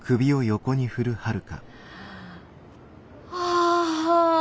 ああ。